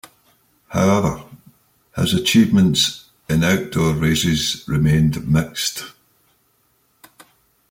However, his achievements in outdoor races remained mixed.